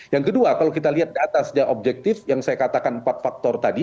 yang kedua kalau kita lihat data sejak objektif yang saya katakan empat faktor tadi